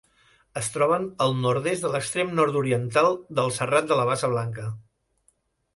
Es troben al nord-est de l'extrem nord-oriental del Serrat de la Bassa Blanca.